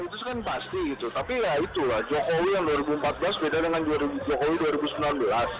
itu kan pasti gitu tapi ya itulah jokowi yang dua ribu empat belas beda dengan jokowi dua ribu sembilan belas